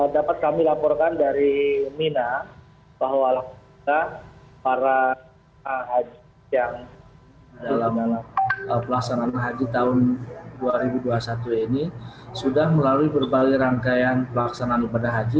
dapat kami laporkan dari mina bahwa para haji yang dalam pelaksanaan haji tahun dua ribu dua puluh satu ini sudah melalui berbagai rangkaian pelaksanaan ibadah haji